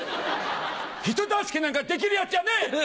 人助けなんかできる奴じゃねえ！